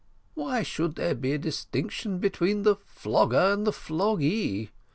Why should there be a distinction between the flogger and the flogged?